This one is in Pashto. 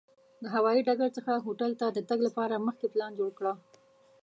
د هوایي ډګر څخه هوټل ته د تګ لپاره مخکې پلان جوړ کړه.